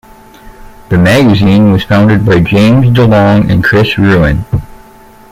The magazine was founded by James DeLong and Chris Ruen.